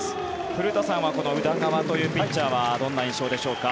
古田さんはこの宇田川というピッチャーはどんな印象でしょうか。